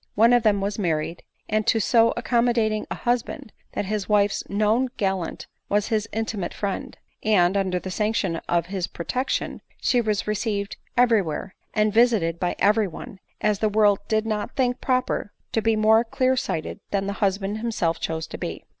One of them was married, and to so accommodating a husband, that his wife's known gallant was his intimate friend ; and under the sanction of his protection she was received every where, and visited by every one, as the world did not think proper to be more clear sighted than the husband himself chose to be.